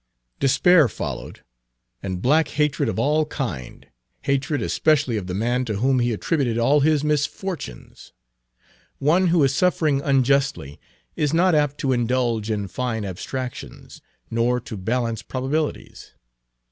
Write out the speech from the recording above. Despair followed, and black hatred of Page 318 all mankind, hatred especially of the man to whom he attributed all his misfortunes. One who is suffering unjustly is not apt to indulge in fine abstractions, nor to balance probabilities.